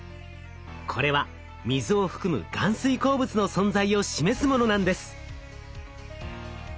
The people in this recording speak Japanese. これは水を含む含水鉱物の存在を示すものなんです。